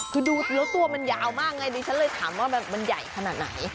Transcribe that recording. คือดูแล้วตัวมันยาวมากไงดิฉันเลยถามว่ามันใหญ่ขนาดไหน